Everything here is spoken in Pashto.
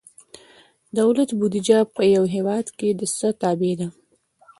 دولت بودیجه په یو هیواد کې د څه تابع ده؟